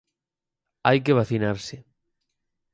Hai que vacinarse.